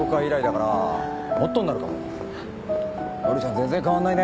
全然変わらないね。